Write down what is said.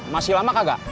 masih lama kagak